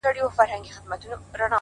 هغه به اور له خپلو سترګو پرېولي!